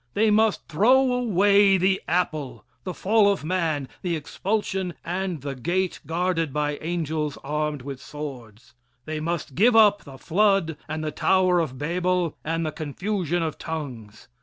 They must throw away the apple, the fall of man, the expulsion, and the gate guarded by angels armed with swords. They must give up the flood and the tower of Babel and the confusion of tongues.